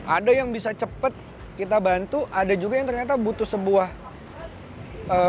ada yang bisa cepat kita bantu ada juga yang ternyata butuh sebuah